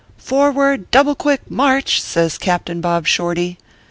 " Forward double quick march !" says Captain Bob Shorty.